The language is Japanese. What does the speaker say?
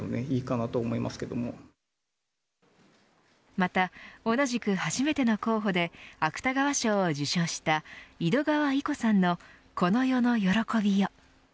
また、同じく初めての候補で芥川賞を受賞した井戸川射子さんのこの世の喜びよ。